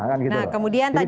nah kemudian tadi